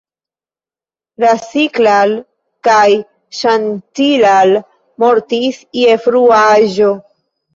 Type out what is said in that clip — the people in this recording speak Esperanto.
Rasiklal kaj Ŝantilal mortis je frua aĝo.